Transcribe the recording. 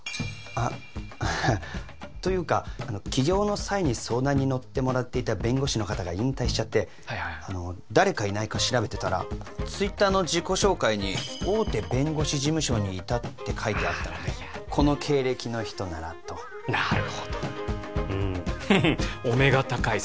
あっというか起業の際に相談に乗ってもらっていた弁護士の方が引退しちゃってはいはい誰かいないか調べてたらＴｗｉｔｔｅｒの自己紹介に大手弁護士事務所にいたって書いてあったのでこの経歴の人ならとなるほどうんお目が高い